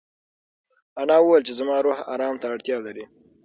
انا وویل چې زما روح ارام ته اړتیا لري.